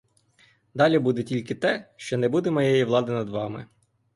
Далі буде тільки те, що не буде моєї влади над вами.